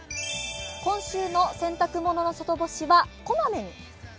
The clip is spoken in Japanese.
今週の洗濯物の外干しは小まめに。